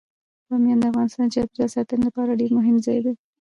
بامیان د افغانستان د چاپیریال ساتنې لپاره ډیر مهم ځای دی.